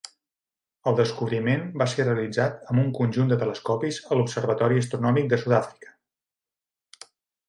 El descobriment va ser realitzat amb un conjunt de telescopis a l'Observatori Astronòmic de Sud-àfrica.